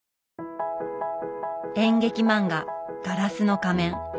演劇漫画「ガラスの仮面」。